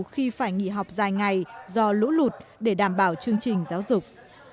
khi phải nghỉ học dài ngày do lũ lụt để đảm bảo chương trình giáo dục